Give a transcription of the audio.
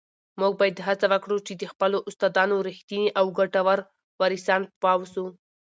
موږ باید هڅه وکړو چي د خپلو استادانو رښتیني او ګټور وارثان واوسو.